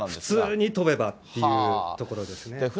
普通に飛べばというところですね。